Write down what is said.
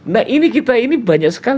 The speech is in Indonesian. nah ini kita ini banyak sekali